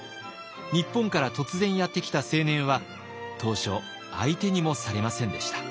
日本から突然やって来た青年は当初相手にもされませんでした。